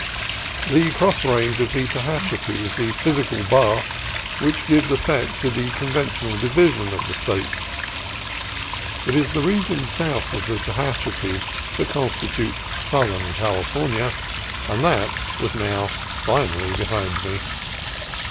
The cross range of the Tehachapi is the physical bar which gives effect to the conventional division of the State. It is the region south of the Tehachapi that constitutes southern California, and that was now finally behind me.